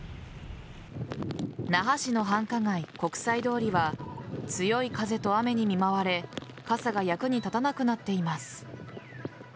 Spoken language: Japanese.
那覇市の繁華街・国際通りは強い風と雨に見舞われ傘が役に立たなくなっています。